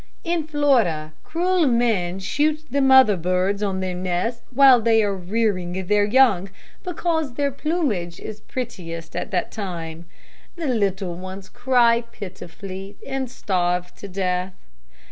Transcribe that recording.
"In Florida, cruel men shoot the mother birds on their nests while they are rearing their young, because their plumage is prettiest at that time, The little ones cry pitifully, and starve to death.